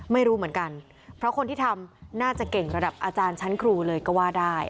ไม่รู้เหมือนกันเพราะคนที่ทำน่าจะเก่งระดับอาจารย์ชั้นครูเลยก็ว่าได้